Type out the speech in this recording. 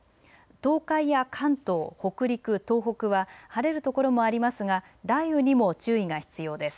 東海や関東、北陸、東北は晴れる所もありますが雷雨にも注意が必要です。